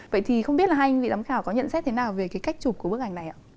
vậy thì không biết là hai anh vị giám khảo có nhận xét thế nào về cái cách chụp của bức ảnh này ạ